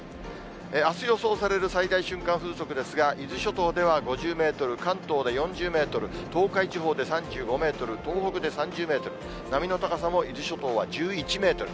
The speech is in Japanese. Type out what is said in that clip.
あす予想される最大瞬間風速ですが、伊豆諸島では５０メートル、関東で４０メートル、東海地方で３５メートル、東北で３０メートル。